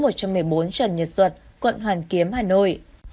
trần nhật duật quận hoàn kiếm hà nội